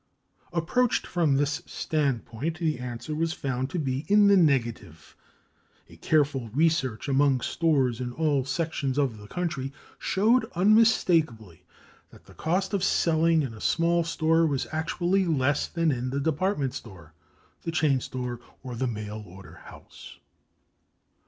Approached from this standpoint, the answer was found to be in the negative. A careful research among stores in all sections of the country showed unmistakably that the cost of selling in a small store was actually less than in the department store, the chain store, or the mail order house.